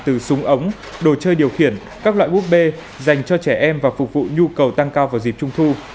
từ súng ống đồ chơi điều khiển các loại búp bê dành cho trẻ em và phục vụ nhu cầu tăng cao vào dịp trung thu